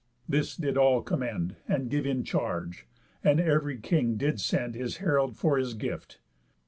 This did all commend And give in charge; and ev'ry king did send His herald for his gift.